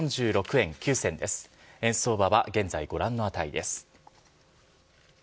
円相場は現在、ご覧の値です。